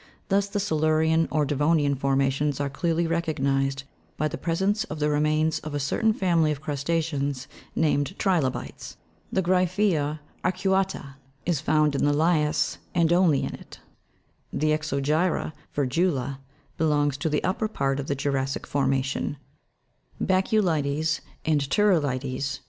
Thus, the Silurian or Devonian formations are clearly recognised by the presence of the remains of a cer tain family of crusta'ceans, named trilobites (fig. 4, p. 28). The Gry'phca arcua'ta (fig. 71, p. 55), is found in the has, and only in it : the ex'ogy'ra vir'gula (fig. 109, p. 65), belongs to the upper part of ,the jura'ssic formation ; baculites (fig. 130), and turrili'tes (fig.